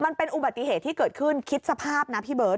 มันเป็นอุบัติเหตุที่เกิดขึ้นคิดสภาพนะพี่เบิร์